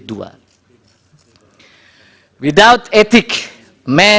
dari dari dari dari